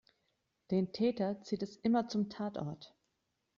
Den Täter zieht es immer zum Tatort.